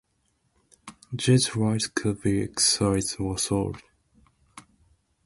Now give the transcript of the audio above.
These rights could be exercised or sold.